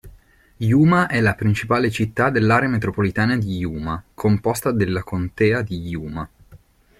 Yuma è la principale città dell'area metropolitana di Yuma, composta della contea di Yuma.